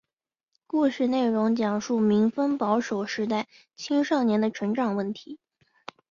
故事内容讲述民风保守时代青少年的成长问题。